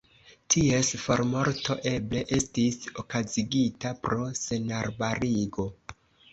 Ties formorto eble estis okazigita pro senarbarigo.